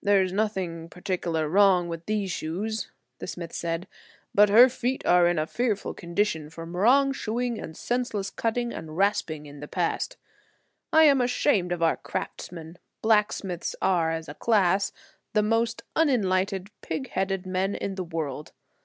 "There is nothing particular wrong with these shoes," the smith said, "but her feet are in a fearful condition from wrong shoeing and senseless cutting and rasping in the past. I am ashamed of our craftsmen. Blacksmiths are, as a class, the most unenlightened, pig headed men in the world.